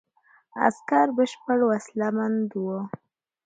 عسکر بشپړ وسله بند وو.